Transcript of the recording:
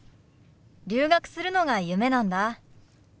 留学するのが夢なんだ。